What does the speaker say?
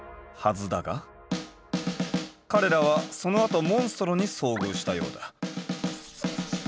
はずだが彼らはそのあとモンストロに遭遇したようだ。